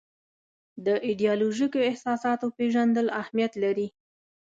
د ایدیالوژیکو اساساتو پېژندل اهمیت لري.